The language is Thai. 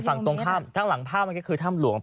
ฝั่งตรงข้ามทั้งหลังภาพมันก็คือถ้ำหลวง